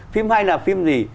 phim hay là phim gì